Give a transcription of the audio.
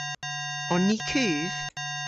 On ni kuv?